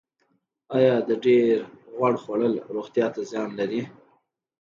ایا د ډیر غوړ خوړل روغتیا ته زیان لري